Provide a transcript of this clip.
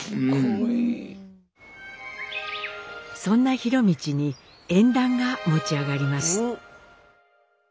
そんな博通に縁談が持ち上がります。